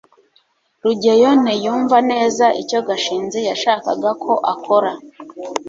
rugeyo ntiyumva neza icyo gashinzi yashakaga ko akora